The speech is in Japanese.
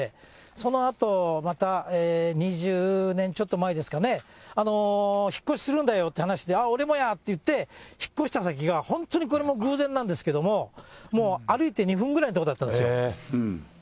そのあと、また２０年ちょっと前ですかね、引っ越しするんだよって話で、ああ、俺もやって言って、引っ越した先が、本当にこれも偶然なんですけども、もう歩いて２分ぐらいのとこだったんですよ。